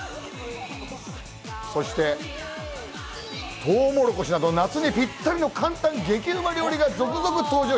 そしてトウモロコシなど夏にぴったりの簡単激ウマ料理が続々登場